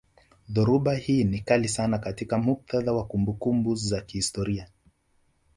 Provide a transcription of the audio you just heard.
Dhoruba hii ni kali sana katika muktadha wa kumbukumbu za kihistoria